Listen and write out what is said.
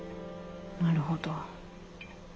なるほど。